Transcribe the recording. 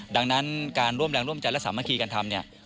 ดังนั้นการร่วมแรงร่วมใจและสามัคคีกันทำเนี่ย